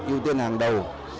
ưu tiên hàng đầu